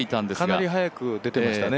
かなり早く出てましたね。